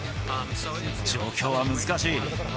状況は難しい。